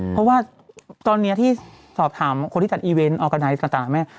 เพราะว่าตอนนี้ที่สอบถามคนที่จัดอีเวนต์ออร์กาไนท์ต่างแม่